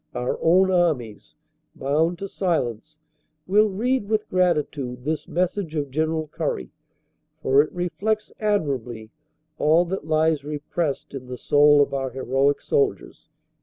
Our own Armies, bound to silence, will read with gratitude this message of General Currie, for it reflects admir ably all that lies repressed in the soul of our heroic soldiers."